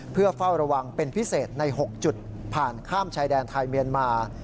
เพื่อเฝ้าระวังเป็นพิเศษใน๖จุดผ่านข้ามชายแดนไทยเมียนมา